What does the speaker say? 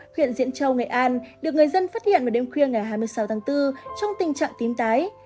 huyện diễn châu nghệ an được người dân phát hiện vào đêm khuya ngày hai mươi sáu tháng bốn trong tình trạng tím tái